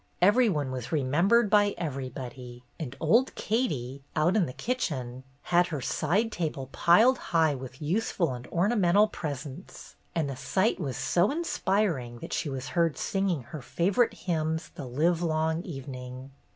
Every one was remembered by everybody, and old Katie, out in the kitchen, had her side table piled high with useful and ornamental presents, and the sight was so inspiring that she was heard singing her favorite hymns the livelong evening.